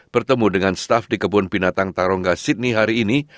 bertemu dengan staff di kebun binatang tarongga sydney hari ini